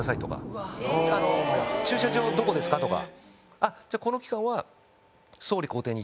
「駐車場どこですか？」とか。